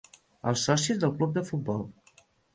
Els socis del club de futbol.